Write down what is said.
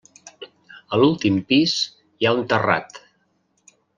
A l'últim pis hi ha un terrat.